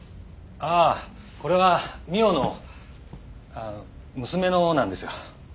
ああこれは美央の娘のなんですよ。